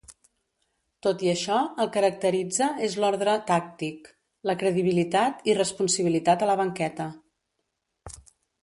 Tot i això, el caracteritza és l'ordre tàctic, la credibilitat i responsabilitat a la banqueta.